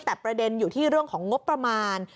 แต่ประเด็นอยู่ที่เรื่องของงบประมาณ